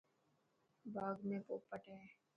باغ ۾ پوپٽ هي.